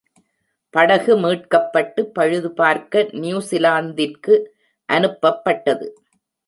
படகு மீட்கப்பட்டு, பழுதுபார்க்க நியூசிலாந்திற்கு அனுப்பப்பட்டது.